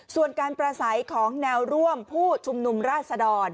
ส่วนการประสัยของแนวร่วมผู้ชุมนุมราชดร